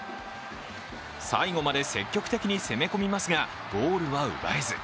最後まで積極的に攻め込みますがゴールは奪えず。